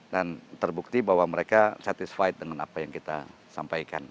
dan terbukti bahwa mereka satisfied dengan apa yang kita sampaikan